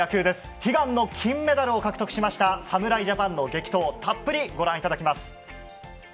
悲願の金メダルを獲得しました、侍ジャパンの激闘をたっぷり、ご覧いただきます。